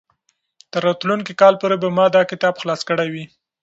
تر راتلونکي کال پورې به ما دا کتاب خلاص کړی وي.